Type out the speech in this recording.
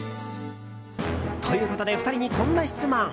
ということで、２人にこんな質問。